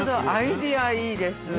アイデア、いいです。